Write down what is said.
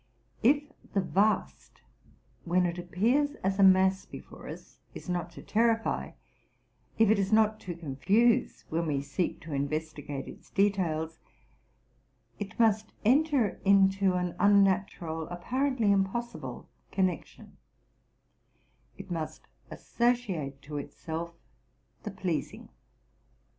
If the vast, when it appears as a mass before us, is not to terrify ; if it is not to confuse, when we seek to investigate its details, —it must enter into an unnatural, apparently impossible, connection, it must associate to itself the pleasing.